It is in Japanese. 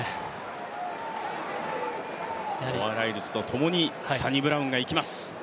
ノア・ライルズとともにサニブラウンがいきます。